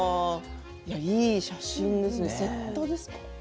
いい写真ですね。